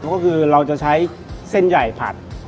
ก็คือเราจะใช้เส้นใหญ่ผัด